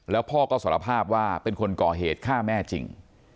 แล้วพ่อก็สารภาพว่าเป็นคนก่อเหตุฆ่าแม่จริง